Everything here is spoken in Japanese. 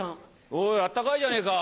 おいあったかいじゃねえか。